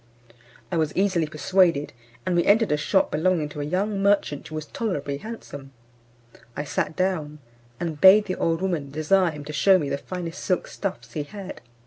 I was easily persuaded, and we entered a shop belonging to a young merchant who was tolerably handsome. I sat down, and bade the old woman desire him to shew me the finest silk stuffs he had.